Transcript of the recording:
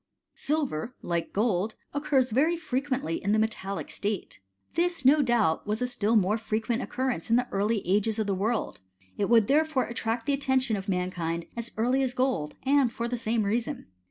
Silver, like gold, occurs very frequently in the metallic state. This, no doubt, was a still more frequent occurrence in the early ages of the world ; it would therefore attract the attention of mankind as early as gold, and for the same reason.